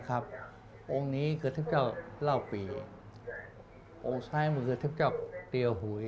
ฐานก็พูดว่าเดียวมาแล้วจะได้